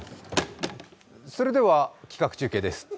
それでは企画中継です。